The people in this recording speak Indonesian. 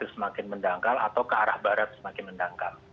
semakin mendangkal atau ke arah barat semakin mendangkal